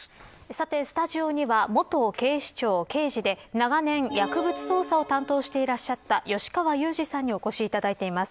さて、スタジオには元警視庁刑事で長年、薬物捜査を担当していらっしゃった吉川祐二さんにお越しいただいています。